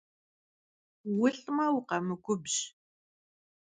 Vulh'me vukhemgubj!